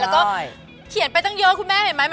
แล้วก็เขียนไปตั้งเยอะคุณแม่เห็นไหม